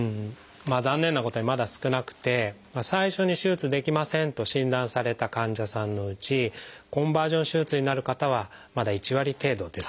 残念なことにまだ少なくて最初に手術できませんと診断された患者さんのうちコンバージョン手術になる方はまだ１割程度です。